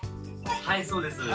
はいそうです。